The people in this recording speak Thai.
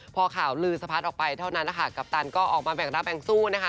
พอข่าวลือสะพัดออกไปเท่านั้นนะคะกัปตันก็ออกมาแบ่งรับแบ่งสู้นะคะ